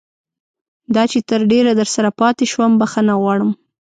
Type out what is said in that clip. دا چې تر ډېره درسره پاتې شوم بښنه غواړم.